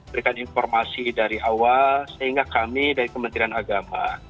berikan informasi dari awal sehingga kami dari kementerian agama